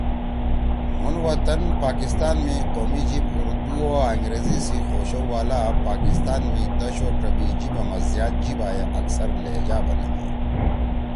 مُھون وطن پاکستان می قومی جیِب ”اردو“ آں انگریزی خوشؤ والا پاکستان می دَش او ڇبیِش جیِبا ما زیاد جیِبا ئے اکثر ”لہجہ“ بنَدی۔